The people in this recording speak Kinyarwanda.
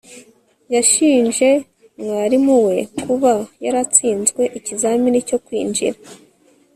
yashinje mwarimu we kuba yaratsinzwe ikizamini cyo kwinjira